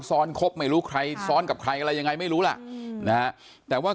ซ้อนครับไม่รู้ใครซ้อนกับใครอะไรยังไงไม่รู้ล่ะแต่ว่าคุณสวัสดีครับ